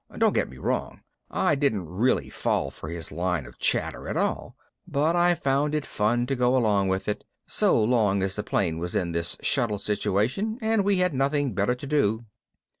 Don't get me wrong, I didn't really fall for his line of chatter at all, but I found it fun to go along with it so long as the plane was in this shuttle situation and we had nothing better to do.